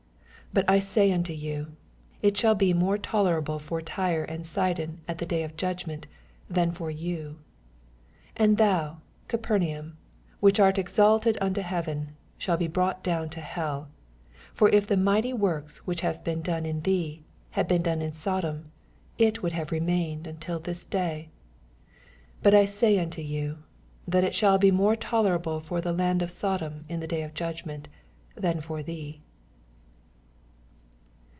22 But I say unto you. It shall be more tolerable for Tyre and Sidon at the dav of juc^ment, than for you. 28 And thou, Capernaum, which art exalted unto heaven, shalt be brought down to hell : for if the mighty works, which have been done in thee, had been done in Sodom, it would have remained until this day. 24 But I say unto you, That it shall be more tolerable for the land of Sodom in the day of judgment, than for thee.